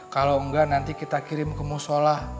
kalau enggak nanti kita kirim ke musola